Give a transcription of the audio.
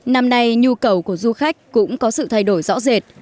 năm nay nhu cầu của du khách cũng có sự thay đổi rõ rệt